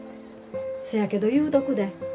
せやけど言うとくで。